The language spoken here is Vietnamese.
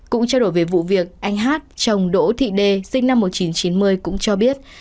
cũng trao đổi về vụ việc anh hát chồng đỗ thị đê sinh năm một nghìn chín trăm chín mươi cũng cho biết